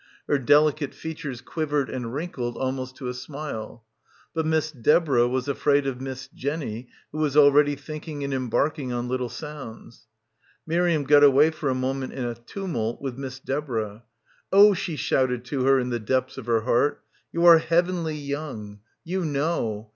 Her delicate features quivered and wrinkled almost to a smile. But Miss Deborah was afraid of Miss Jenny who was already thinking and embarking on little sounds. Miriam got away for a moment in a tumult, with Miss Deborah. 'Oh/ she shouted to her in the depths of her heart, 'you are heavenly young. You know.